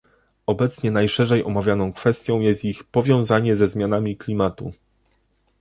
Obecnie najszerzej omawianą kwestią jest ich powiązanie ze zmianami klimatu